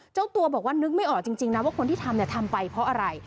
เจ้าตัวบอกว่านึกไม่ออกจริงนะว่าคนที่ทำทำไปเพราะอะไร